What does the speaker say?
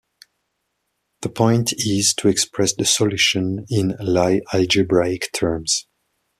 The point is to express the solution in Lie algebraic terms.